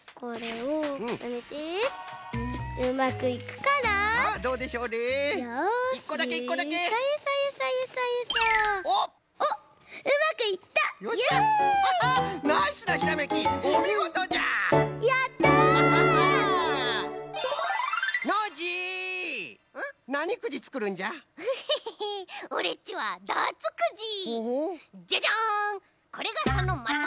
これがそのまと！